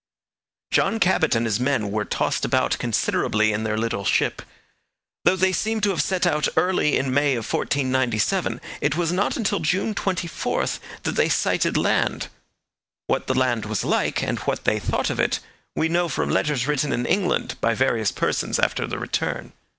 John Cabot and his men mere tossed about considerably in their little ship. Though they seem to have set out early in May of 1497, it was not until June 24 that they sighted land. What the land was like, and what they thought of it, we know from letters written in England by various persons after their return.